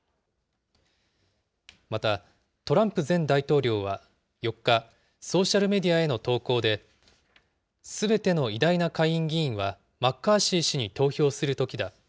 またトランプ前大統領は、４日、ソーシャルメディアへの投稿で、すべての偉大な下院議員はマッカーシー氏に投票するときだ。